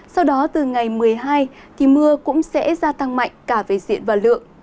sau đó từ ngày một mươi hai thì mưa cũng sẽ gia tăng mạnh cả về diện và lượng